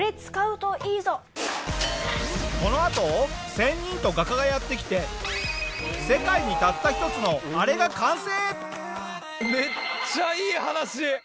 このあと仙人と画家がやって来て世界にたった一つのあれが完成！